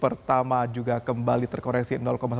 pertama juga kembali terkoreksi